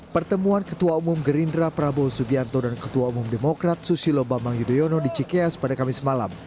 pertemuan ketua umum gerindra prabowo subianto dan ketua umum demokrat susilo bambang yudhoyono di cikeas pada kamis malam